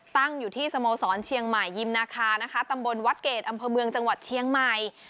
ตั้งอยู่ที่สโมสรเชียงใหม่ยิมนาคานะคะตำบลวัดเกรดอำเภอเมืองจังหวัดเชียงใหม่